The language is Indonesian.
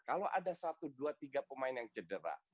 kalau ada satu dua tiga pemain yang cedera